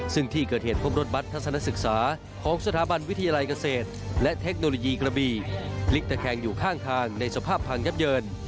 ซึ่งที่เกิดเหตุพบรถบัตรทัศนศึกษาของสถาบันวิทยาลัยเกษตรและเทคโนโลยีกระบี่พลิกตะแคงอยู่ข้างทางในสภาพพังยับเยิน